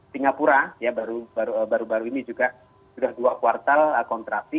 singapura ya baru baru ini juga sudah dua kuartal kontraksi